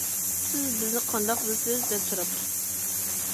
سىز بىزنى قانداق بىلىسىز؟ -دەپ سوراپتۇ.